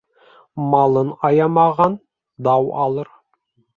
Малын аямаған дау алыр.